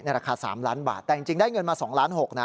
ราคา๓ล้านบาทแต่จริงได้เงินมา๒ล้าน๖นะ